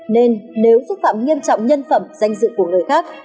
nên nếu xúc phạm nghiêm trọng nhân phẩm danh dự của người khác